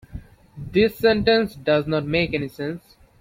This sentence does not make any sense.